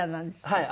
はい。